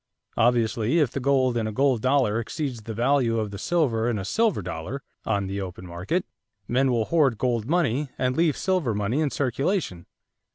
Obviously, if the gold in a gold dollar exceeds the value of the silver in a silver dollar on the open market, men will hoard gold money and leave silver money in circulation.